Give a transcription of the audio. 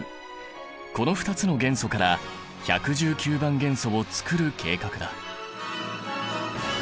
この２つの元素から１１９番元素を作る計画だ。